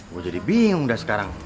gue jadi bingung dah sekarang